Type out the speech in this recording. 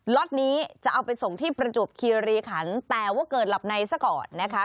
็อตนี้จะเอาไปส่งที่ประจวบคีรีขันแต่ว่าเกิดหลับในซะก่อนนะคะ